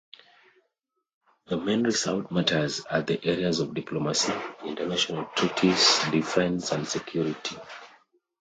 The main reserved matters are the areas of diplomacy, international treaties, defence and security.